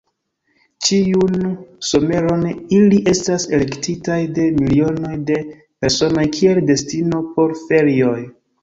Ĉiun someron, ili estas elektitaj de milionoj de personoj kiel destino por ferioj.